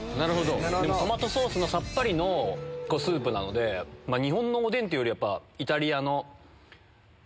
でもトマトソースのさっぱりのスープなので日本のおでんっていうよりイタリアの。